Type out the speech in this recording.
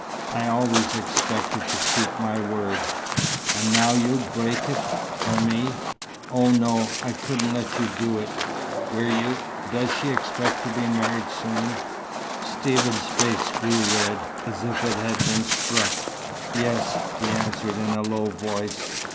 I always expected to keep my word." "And now you'd break it for me! Oh, no, I couldn't let you do it. Were you does she expect to be married soon?" Stephen's face grew red, as if it had been struck. "Yes," he answered, in a low voice.